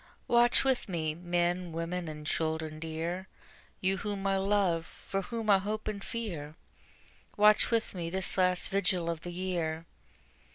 Watch with me, men, women, and children dear, You whom I love, for whom I hope and fear, Watch with me this last vigil of the year.